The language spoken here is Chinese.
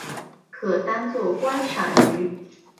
可当作观赏鱼。